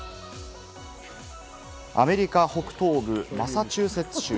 アメリカ北東部マサチューセッツ州。